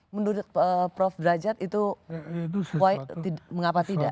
menurut prof derajat itu mengapa tidak